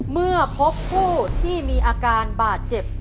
เมื่อพบผู้ที่มีอาการบาดเจ็บ